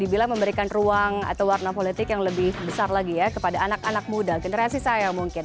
berita terkini dari kpum